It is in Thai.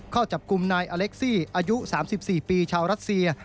เข้าจับกลุ่มนายอเล็กซี่อายุ๓๔ปีชาวรัสเซีย